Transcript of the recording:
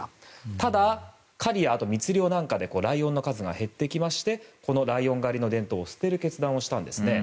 ただ、狩りや密猟なんかでライオンの数が減ってきましてライオン狩りの伝統を捨てる決断をしたんですね。